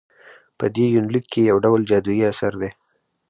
په دې يونليک کې يوډول جادويي اثر دى